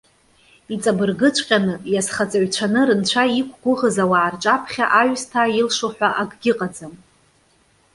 Иҵабыргыҵәҟьаны, иазхаҵаҩцәаны рынцәа иқәгәыӷыз ауаа рҿаԥхьа аҩсҭаа илшо ҳәа акгьы ыҟаӡам.